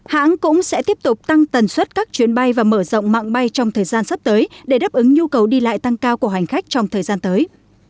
hãng cũng sẽ tiếp tục tăng tần suất các chuyến bay và mở rộng mạng bay trong thời gian sắp tới để đáp ứng nhu cầu đi lại tăng cao của hành khách trong thời gian tới